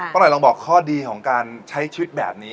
อร่อยลองบอกข้อดีของการใช้ชีวิตแบบนี้